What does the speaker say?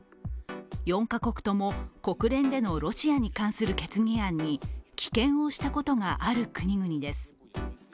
４か国とも国連でのロシアに関する決議案に棄権をしたことがある国々です。